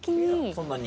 そんなに？